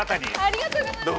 ありがとうございます。